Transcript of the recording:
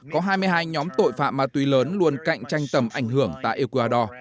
có hai mươi hai nhóm tội phạm ma túy lớn luôn cạnh tranh tầm ảnh hưởng tại ecuador